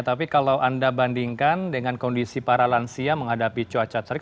tapi kalau anda bandingkan dengan kondisi para lansia menghadapi cuaca terik